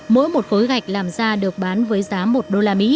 mỗi một khối gạch làm ra được bán với giá một usd